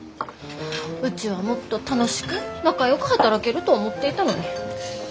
うちはもっと楽しく仲よく働けると思っていたのに。